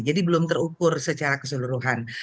jadi belum terukur secara keseluruhan